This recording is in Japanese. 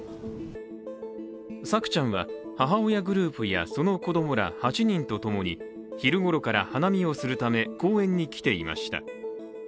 朔ちゃんは母親グループや、その子供ら８人とともに昼ごろから、花見をするため公園に来ていました。